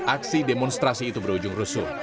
aksi demonstrasi itu berujung rusuh